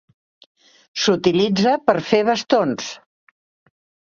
S'utilitza per fer bastons.